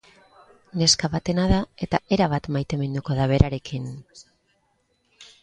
Neska batena da, eta erabat maiteminduko da berarekin.